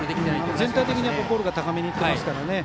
全体的にコントロールが高めにいってますからね。